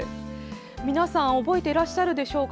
皆さん覚えていらっしゃるでしょうか。